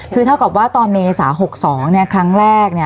คือเมษาปี๖๒ครั้งแรกเนี่ย